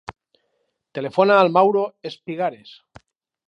Telefona al Mauro Espigares.